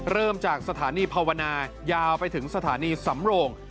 เริ่มจากสถานีภาวนายาวไปถึงสถานีสำโรง